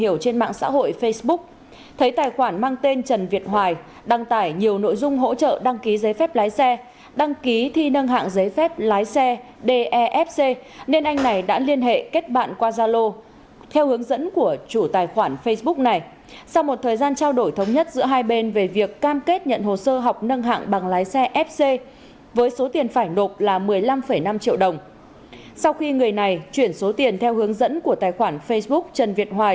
lên mạng xã hội đăng tải nhiều nội dung hỗ trợ đăng ký giấy phép lái xe đăng ký nâng hạng giấy phép lái xe rồi lừa đảo chiếm đoạt tài sản